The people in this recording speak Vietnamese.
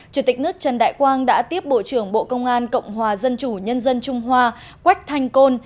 chủ tịch nước trần đại quang đã tiếp bộ trưởng bộ công an cộng hòa dân chủ nhân dân trung hoa quách thanh côn